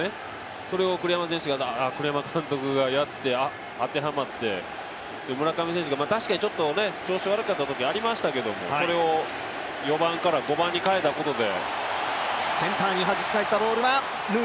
それを栗山監督がやって当てはまって、村上選手が確かに調子悪かったときがありましたけど、それを４番から５番に変えたことで。